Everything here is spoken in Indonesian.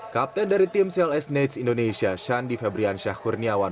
kapten dari tim cls knights indonesia shandi febrian syahkurniawan